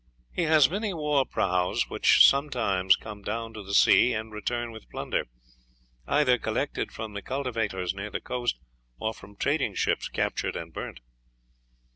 "He has many war prahus, which sometimes come down to the sea and return with plunder, either collected from the cultivators near the coast or from trading ships captured and burnt."